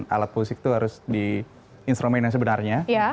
alat musik tuh harus di instrumen yang sebenarnya ya